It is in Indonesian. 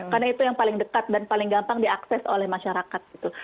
karena itu yang paling dekat dan paling gampang diakses oleh masyarakat gitu